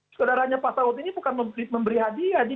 saudaranya pasal ini bukan memberi hadiah